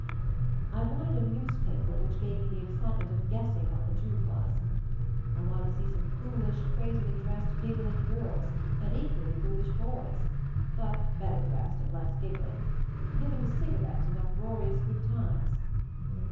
I wanted a newspaper which gave me the excitement of guessing what the truth was, I wanted to see some foolish, crazily dressed, giggling girls, and equally foolish boys, but better dressed and less giggling, given to cigarettes and uproarious "good times."